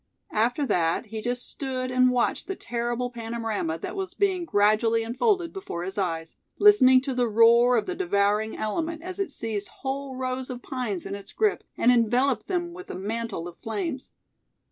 After that, he just stood and watched the terrible panorama that was being gradually unfolded before his eyes; listening to the roar of the devouring element as it seized whole rows of pines in its grip, and enveloped them with a mantle of flames.